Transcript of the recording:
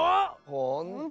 ほんと？